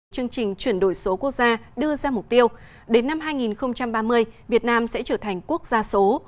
chương trình chuyển đổi số quốc gia đưa ra mục tiêu đến năm hai nghìn ba mươi việt nam sẽ trở thành quốc gia số